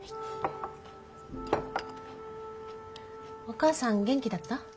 お義母さん元気だった？